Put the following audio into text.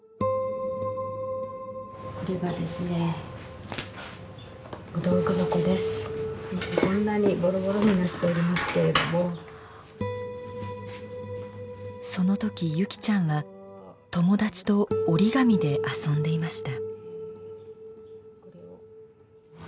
これがですねその時優希ちゃんは友達と折り紙で遊んでいました。